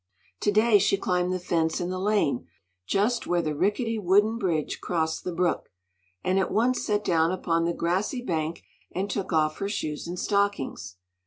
To day she climbed the fence in the lane, just where the rickety wooden bridge crossed the brook, and at once sat down upon the grassy bank and took off her shoes and stockings.